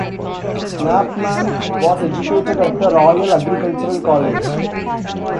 Knapman was educated at the Royal Agricultural College.